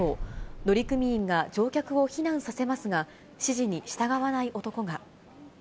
乗組員が乗客を避難させますが、指示に従わない男が。